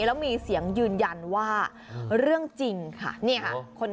แล้วมีเสียงยืนยันว่าเรื่องจริงค่ะนี่ค่ะ